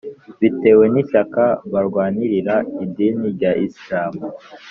bitewe n’ishyaka barwanirira idini rya isilamu